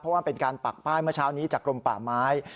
เพราะว่ามันเป็นการปักป้ายเมื่อเช้านี้จากกรมป่าไม้